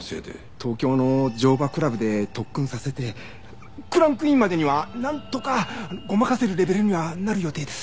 東京の乗馬クラブで特訓させてクランクインまでにはなんとかごまかせるレベルにはなる予定です。